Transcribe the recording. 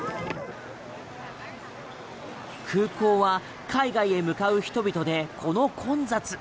空港は海外へ向かう人々でこの混雑。